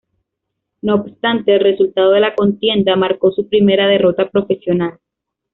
No obstante el resultado de la contienda marco su primera derrota profesional.